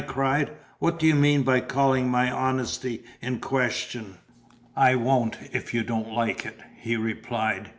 I cried. "What do you mean by calling my honesty in question?" "I won't, if you don't like it," he replied.